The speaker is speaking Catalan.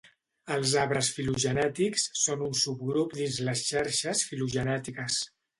Els arbres filogenètics són un subgrup dins les xarxes filogenètiques.